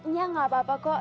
nyak gak apa apa kok